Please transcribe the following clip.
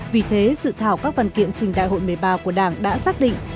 vì thế sự thảo các văn kiện trình đại hội một mươi ba của đảng đã xác định